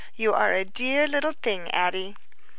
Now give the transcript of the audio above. You are a dear little thing, Addie."